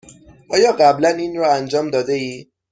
آیا قبلا این را انجام داده ای؟